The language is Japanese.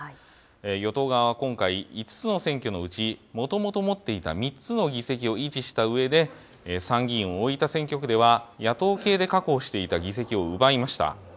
与党側は今回、５つの選挙のうちもともと持っていた３つの議席を維持したうえで、参議院大分選挙区では野党系で確保していた議席を奪いました。